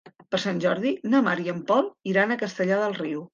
Per Sant Jordi na Mar i en Pol iran a Castellar del Riu.